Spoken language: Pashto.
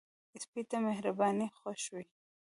سپي ته مهرباني خوښ وي.